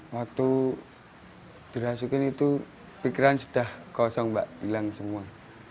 waktu dirasukin itu pikiran sudah kosong mbak hilang semua